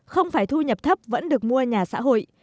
không phải thu nhập thấp vẫn được mua nhà xã hội